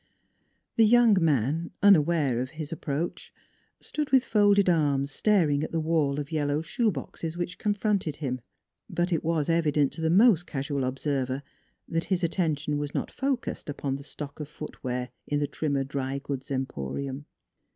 The young man, unaware of his approach, stood with folded arms staring at the wall of yel low shoe boxes which confronted him; but it was evident to the most casual observer that his atten tion was not focused upon the stock of footwear in the Trimmer Dry goods Emporium.